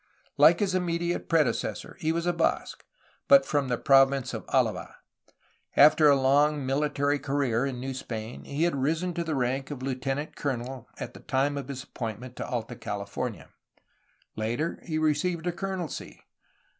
Like his immediate predecessor he was a Basque, but from the province of Alava. After a long military career in New Spain he had risen to the rank of lieutenant colonel at the time of his appointment to Alta California. Later, he received a colonelcy.